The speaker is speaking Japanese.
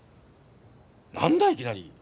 何だいきなり？